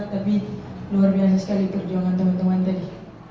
tapi luar biasa sekali perjuangan teman teman tadi